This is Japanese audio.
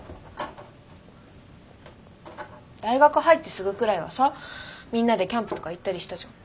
大学入ってすぐくらいはさみんなでキャンプとか行ったりしたじゃん。